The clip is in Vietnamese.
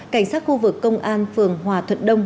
cảnh sát khu vực công an phường hòa thuận đông